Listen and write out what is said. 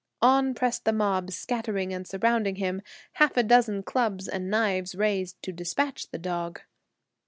On pressed the mob, scattering and surrounding him, half a dozen clubs and knives raised to dispatch the dog.